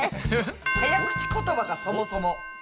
早口ことばがそもそも。